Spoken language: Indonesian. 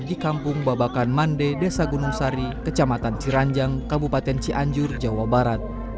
di kampung babakan mande desa gunung sari kecamatan ciranjang kabupaten cianjur jawa barat